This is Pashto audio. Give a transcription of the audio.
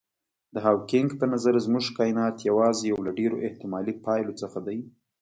د هاوکېنګ په نظر زموږ کاینات یوازې یو له ډېرو احتمالي پایلو څخه دی.